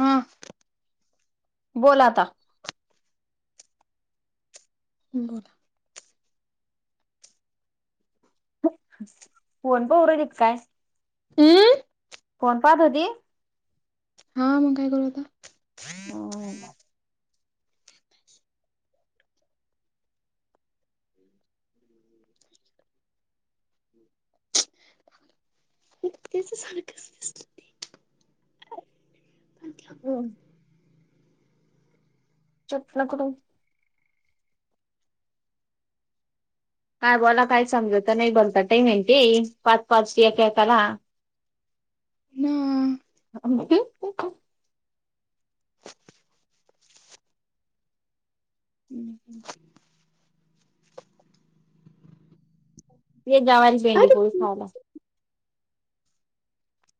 हा बोल आता गोला फोण प उरलीेत काय हम्म कोण पाहत होती हा मग काय करू आता हम्म त्याच सारखच दिसत [inaudible] जप नकडू [inaudible] काय बोला काय समजवत नाही बोलता टामेंटी पाच पाच एयकाला ना [inaudible] [inaudible] हम्म हम्म हे जावायची भेंडी अरे पोस खायला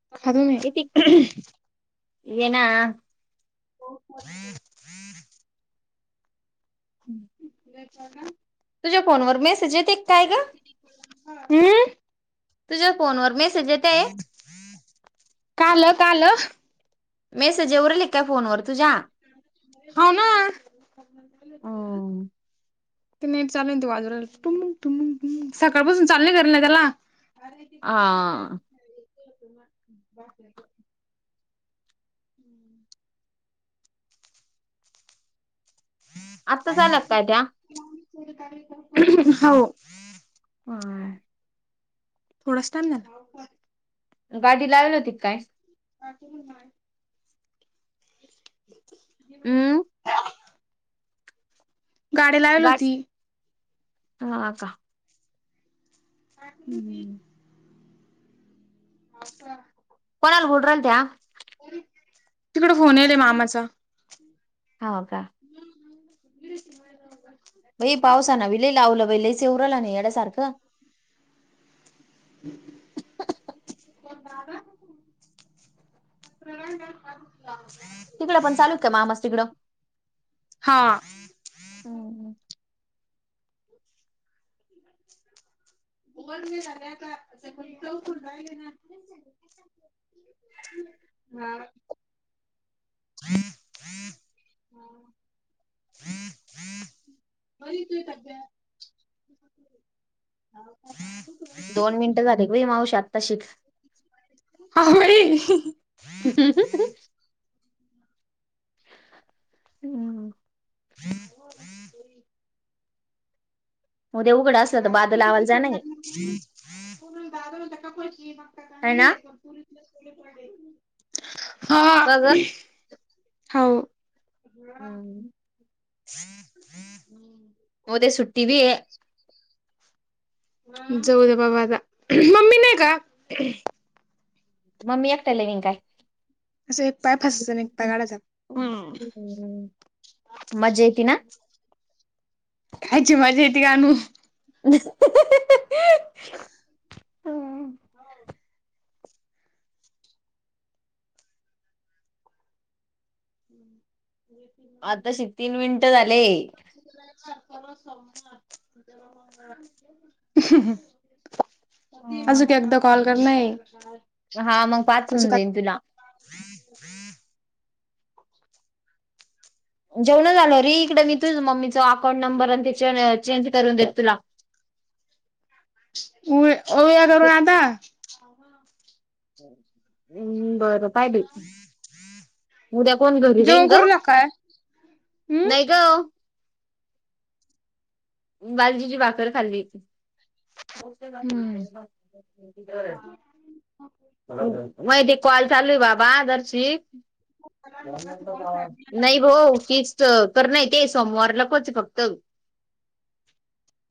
अधूनही येेना हम्म हम हम्म ह तुझ्या फोनवर मेसेज येत एक काय का हम्म तुझ्या फोनवर मी काल काल मेसेज एवरल का फोनवर तू जा हो ना हो ते नाहीट चालू तजू त सकाळपसून चालल करल ना त्याला अर ते हा कुठ हो बाकी ह आत्ता ला काय त्या हो हा थोडाच टाइम झाला गाडी लावल होती काय का पण नाही हम्म [inaudible] गाडी लावल होती हा अ का हम्म हम् अस कोणाल हुड्रंत्या तिकड फोन येल मामाचा ह का हीरची मा बई पावसा ना विलई लावलं बा लईच उरला नाही येड्यासारखं को बबर ला तिकडं पण चालूत का मामस् तिकडं हा हम्मम् [inaudible] गड झाले का असौ राय ना हा [inaudible] [unintelligible] दोन मिनिटं झाली गं बाई मावशी आत्ता शिक् अगं बाई! हम [inaudible] उद्या उघड असलं तर बाद लावायला जा नाही आहे दादा दादा हाय ना [unintelligible] [unintelligible] का गं? हो. हम्म [unintelligible] म उद्या सुट्टी बी हे जाऊ दे बाबा आता, मम्मी नाही का? म मी एकट्या लेविंग काय अस एक पाय फस आणि एक पाय काढायचा. मजा येते ना कायची मजा येती आनु हम्म [unintelligible] आताशी तीन मिनटं झाले. [unintelligible] अजून एकदा कॉल करणा आहे, हा मग पाच अजू होऊन का जाईन तुला हम्म जेवणं झालो री इकडे मी तुझ मम्मीचा अकाउंट नंबर आणि ते चेंज करून देत तुला. [inaudible] उ ओया करू आता हम्म बरं पाय बाई उद्या कोण घरी [unintelligible] जाईन जेवणं ग करुला काय? हम्म नाही ग बाजरीची भाकर खाल्ली [unintelligible] हम्म माहितीे कॉल चालूय बाबा दरशी नाही गो फीक्सच तर नाही ते सोमवारला कोच फक्त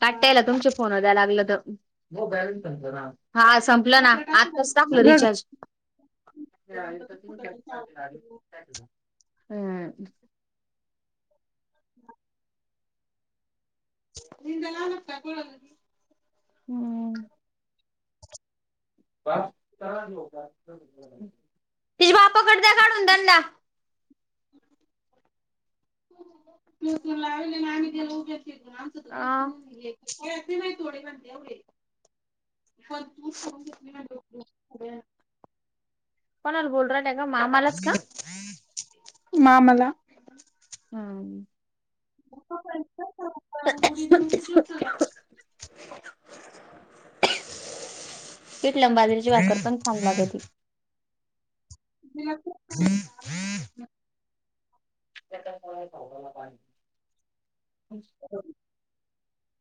काटायला तुमचे फोन द्या लागलं तर, हा संपलं ना आत्ताच टाकलं रिचार्ज. हम्म. [inaudible] [unintelligible] हम्म ती बा पाकड द्या काढून धंदा. अ लागले आणि ते लोकं आमचं तर कायच अ नाही [unintelligible] थोडे पण थोडे नाही तेवढे पण [unintelligible] कोणाला बोलुन राहिला आहे का मामालाच का? मामाला. [unintelligible] पिठलं आणि बाजरीची भाकर पण छान लागती. [inaudible] हम्म -हम्म [inaudible] त्या पा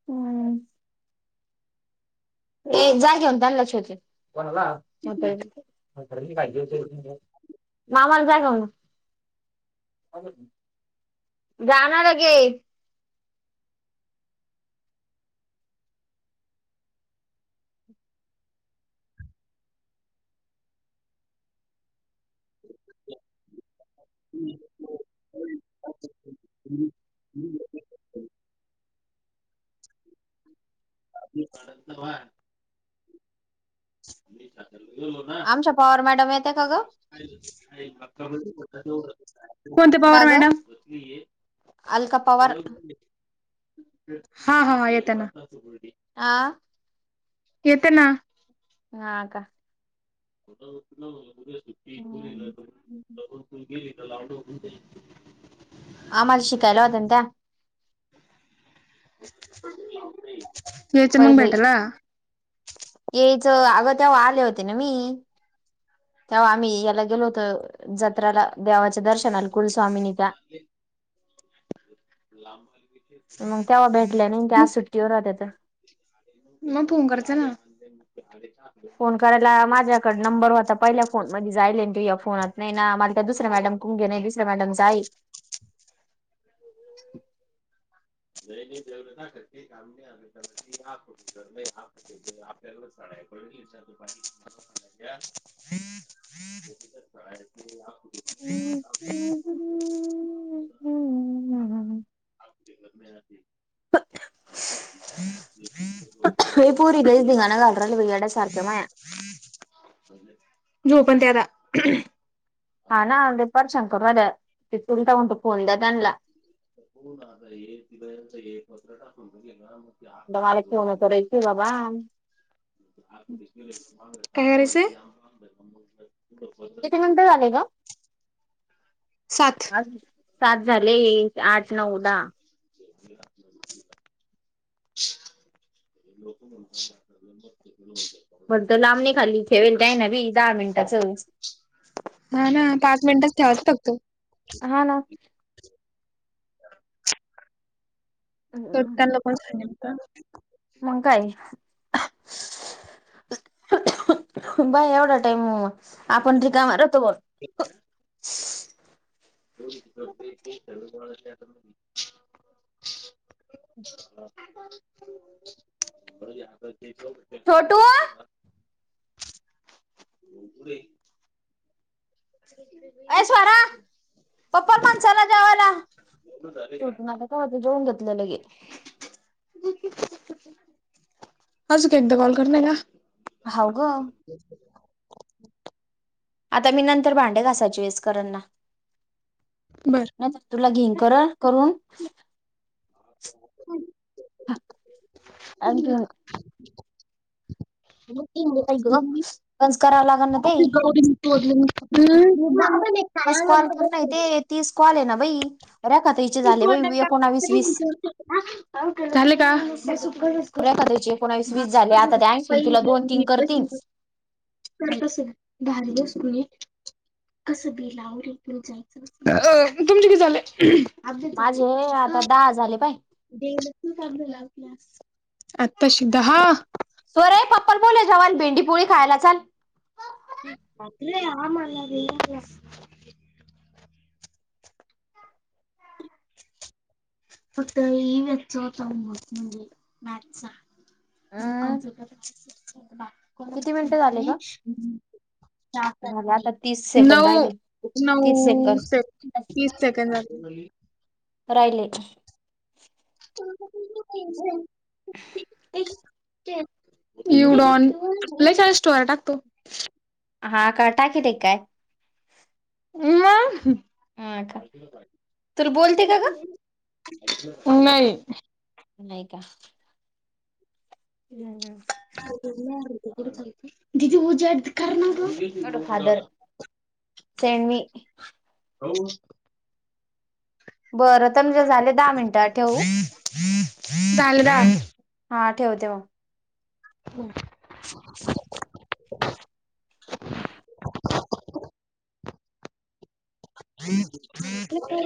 हम् की जा घेऊन [inaudible] कोणाला [unintelligible] काहिज हो मामाला जा [inaudible] घेऊन [inaudible] जाणार गे [unintelligible] [unintelligible] आपली [unintelligible] पडत तर व [inaudible] आमच्या पवार मॅडम य अ [unintelligible] कोणत्या पवार का ग? मॅडम अलका पवार [inaudible] हा- हा येत ना. आ येते ना. ह का? [unintelligible] ी ब गेली. [unintelligible] लावडो आम्हीला शिकायला होत्या. त्या [inaudible] याच मग पहिले भेटायला. अ तेव्हा आले होते ना मी तेव्हा आम्ही याला गेलो होतो [inaudible] जत्रला देवाच्या दर्शनाला कुलस्वामिनी त्या मग तेव्हा भेटल्या नाही त्या आज [unintelligible] सुट्टीवर होत्या तर. मग फोन करायचा ना [inaudible] फोन करायला माझ्याकड नंबर होता पहिल्या फोन मध्ये जायल ते या फोनात नाही ना. दुसरा मॅडम कुंगे नाही दुसरा मॅडम जा [inaudible] [inaudible] जय जवर करते का? [inaudible] विार [inaudible] हम- हम [unintelligible] [unintelligible] [inaudible] या पोरी लय धिंगाणा घालु राहिल्या वेड्या सारख्या माया जो पण [inaudible] त्याता हा ना तेपार शंकरवा्या तिथुलता म्हणतो फोन द्या त्यांनलाआणला. [inaudible] हो आता तिच एक पस्र टाकूने मला जेवन‌ करायचंय बाबा [inaudible] काय करायचाय [inaudible] तिच्या नंतर आलेय का? सात आज [inaudible] सात झाले एक आठ नऊदा [unintelligible] [inaudible] लोक म्हणबले बघते. बरत लांबणी खाली इथे वल [unintelligible] त्या आहे ना बी दहा मिनटाच हा ना पाच मिनटचेवाच फक्त [inaudible] हा ना. [unintelligible] चटक ल पणेल का? मग काय [inaudible] [inaudible] बाय एवढा टाईम म आपण का मारतो बोल [inaudible] [unintelligible] [unintelligible] छोटू. बुरई. ऐश्वारा चप्पल माणसाला जेवाला. तोटूनन कहाच जेऊन घेतलंल हे. आजून का एकदा कॉल कर [unintelligible] हाव ग. आता मी नंतर भांडे घासायची वेस करन ना. बर नाही तर तुला घेईग करा करून. हं. आंज आई ग कंस करावं लागल ना ते [unintelligible] मिस कॉल केरनय ते तीस कॉल हे ना बाई. रेखा [unintelligible] ताईचे झाले बाई एकोणावीस वीस झालं का? रेखा ताईचे एकोणावीस वीस झाले आता ते आणखीन तुला दोन तीन करतील [unintelligible] कसं धारलंस कुणी? कसं बेलावरे जायचं कसं तुमच किती झालंय? माझे आता दहा झाले पाय. आत्ताशी दहा? वाल भेंडीपोळी खायला चाल. [unintelligible] फत ईवीएसच होत [unintelligible] म्हणजे मॅथसचा. अं कप्युटर किती मिनिटं झाले ग झाले [unintelligible] आता तीस सेकंद राहिले नऊ-नऊ तीस सेकंद सक तीस सेकंद झाले. [unintelligible] राहिले [unintelligible] यूडॉन लई छान स्टोर या टाकतो. हा काटा किती काय? हं हा का तुला बोलते का ग म नाही. नाही का? हम्म. दीदी ऊज्याड करना. फादर सेंड मी [unintelligible] काव बरं तुमचे झाले दहा मिनिटं, ठेवू? चालदा हा ठेवते मग. हम्म. [unintelligible] [unintelligible] [unintelligible]